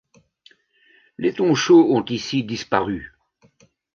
Les tons chauds ont ici disparu.